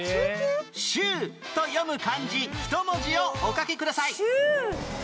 「しゅう」と読む漢字１文字をお書きください